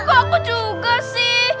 kok aku juga sih